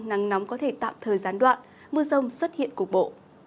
nắng nóng có thể tạm thời gián đoạn mưa rông xuất hiện cục bộ